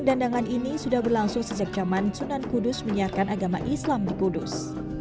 dandangan ini sudah berlangsung sejak zaman sunan kudus menyiarkan agama islam di kudus